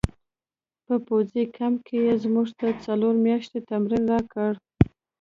په پوځي کمپ کې یې موږ ته څلور میاشتې تمرین راکړ